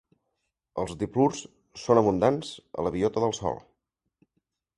Els diplurs són abundants a la biota del sòl.